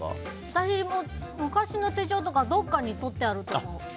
私も昔の手帳とかどこかにとってあると思う。